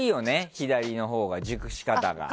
左のほうが、熟し方が。